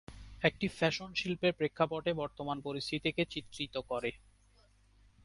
এটি ফ্যাশন শিল্পের প্রেক্ষাপটে বর্তমান পরিস্থিতিকে চিত্রিত করে।